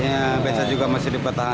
ya becak juga masih dipertahankan